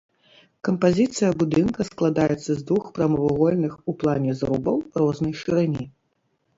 Кампазіцыя будынка складаецца з двух прамавугольных у плане зрубаў рознай шырыні.